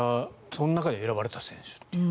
その中で選ばれた選手と。